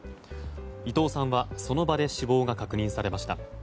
伊藤さんは、その場で死亡が確認されました。